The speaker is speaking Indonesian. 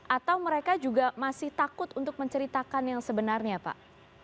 atau mereka juga masih takut untuk menceritakan yang sebenarnya pak